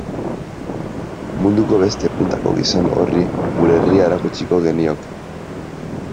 Munduko beste puntako gizon horri gure herria erakutsiko genioke.